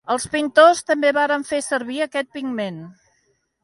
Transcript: Els pintors també varen fer servir aquest pigment.